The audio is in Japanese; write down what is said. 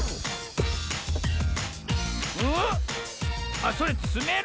あっそれつめる